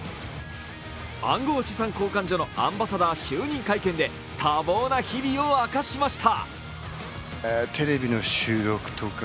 暗号資産交換所のアンバサダー就任会見で多忙な日々を明かしました。